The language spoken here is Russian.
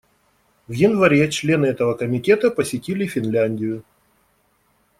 В январе члены этого Комитета посетили Финляндию.